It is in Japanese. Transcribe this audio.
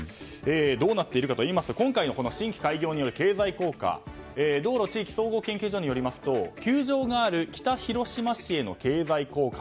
どうなっているかといいますと今回の新規開業による経済効果道銀地域総合研究所によりますと球場がある北広島市の経済効果